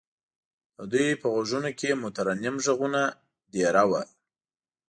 د دوی په غوږونو کې مترنم غږونه دېره وو.